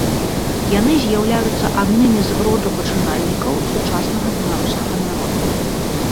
Яны з'яўляюцца аднымі з родапачынальнікаў сучаснага беларускага народа.